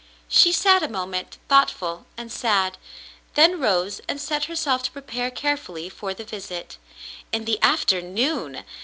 She sat a moment, thoughtful and sad, then rose and set herself to prepare carefully for the visit. In the afternoon